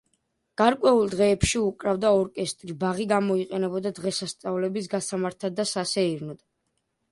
გარკვეულ დღეებში უკრავდა ორკესტრი, ბაღი გამოიყენებოდა დღესასწაულების გასამართად და სასეირნოდ.